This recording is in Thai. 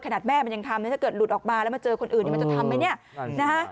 ขนาดแม่มันยังทำถ้าเกิดหลุดออกมาแล้วมาเจอคนอื่นมันจะทำไหม